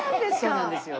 そうなんですよ。